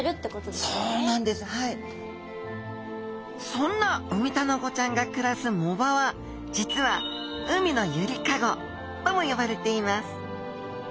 そんなウミタナゴちゃんが暮らす藻場は実は海のゆりかごとも呼ばれています。